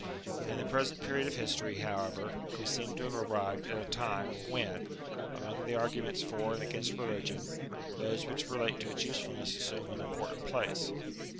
In the present period of history, however, we seem to have arrived at a time when, among the arguments for and against religion, those which relate to its use fulness assume an important place.